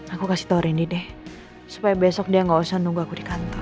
aku kasih tahu rindy deh supaya besok dia nggak usah nunggu aku di kantor